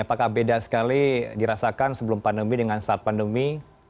apakah beda sekali dirasakan sebelum pandemi dengan saat pandemi